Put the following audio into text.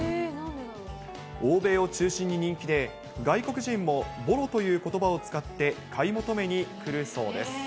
欧米を中心に人気で、外国人もボロということばを使って買い求めに来るそうです。